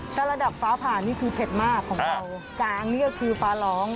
ถ้าระดับฟ้าผ่านี่คือเผ็ดมากของเราจางนี่ก็คือฟ้าร้อง